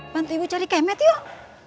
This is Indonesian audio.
bantu ibu cari kemet yuk